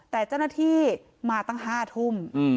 แต่เจ้าหน้าที่มาตั้ง๕ทุ่ม